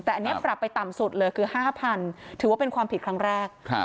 แต่อันนี้ปรับไปต่ำสุดเลยคือ๕๐๐ถือว่าเป็นความผิดครั้งแรก